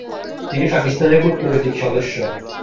তিনি পাকিস্তানের কূটনীতিক সদস্য।